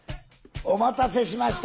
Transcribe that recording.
お待たせしました。